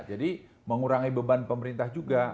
jadi mengurangi beban pemerintah juga